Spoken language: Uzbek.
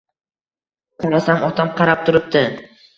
Qarasam otam qarab turibdi.